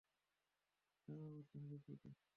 তার অবস্থানও পৃথিবীতে।